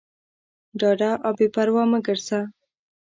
ډاډه او بېپروا مه ګرځه.